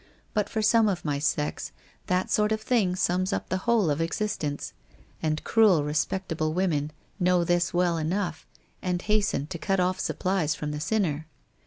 But for some of my sex that sort of thing sums up the whole of existence, and cruel respectable women know this well enough, and hasten to cut off supplies from the sinner.